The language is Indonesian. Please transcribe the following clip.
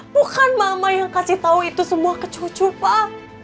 bukan mama yang kasih tau itu semua ke cucu pak